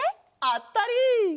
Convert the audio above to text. あったり！